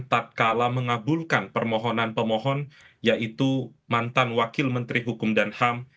tak kalah mengabulkan permohonan pemohon yaitu mantan wakil menteri hukum dan ham